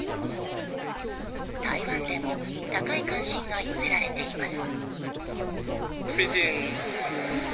台湾でも高い関心が寄せられています。